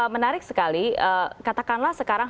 menarik sekali katakanlah sekarang